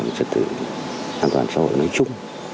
bảo đảm trật tự an toàn xã hội nói chung